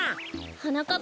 はなかっ